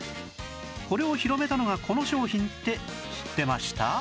これを広めたのがこの商品って知ってました？